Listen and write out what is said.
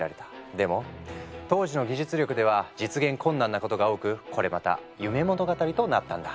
でも当時の技術力では実現困難なことが多くこれまた夢物語となったんだ。